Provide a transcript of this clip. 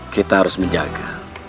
kita harus menjaga